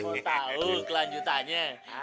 mau tahu kelanjutannya